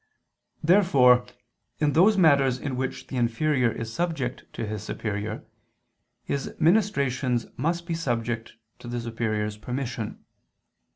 Therefore in those matters in which the inferior is subject to his superior, his ministrations must be subject to the superior's permission.